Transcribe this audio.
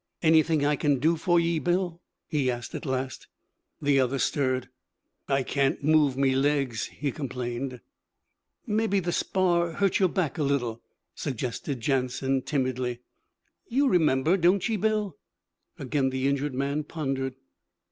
'Anything I can do for ye, Bill?' he asked at last. The other stirred. 'I can't move me legs,' he complained. 'Mebbe the spar hurt your back a little,' suggested Jansen timidly. 'You remember, don't ye, Bill?' Again the injured man pondered.